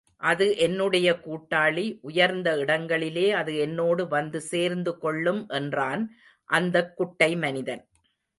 அது என்னுடைய கூட்டாளி உயர்ந்த இடங்களிலே அது என்னோடு வந்து சேர்ந்து கொள்ளும் என்றான் அந்தக் குட்டை மனிதன்.